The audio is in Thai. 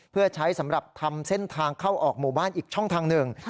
เพื่อใช้สำหรับทำเส้นทางเข้าออกหมู่บ้านอีกช่องทางหนึ่ง